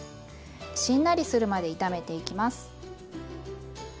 しんなりするまで炒めていきます。